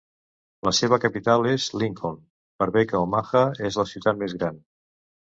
La seva capital és Lincoln, per bé que Omaha és la ciutat més gran.